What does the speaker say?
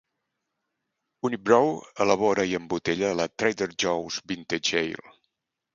Unibroue elabora i embotella la Trader Joe's Vintage Ale.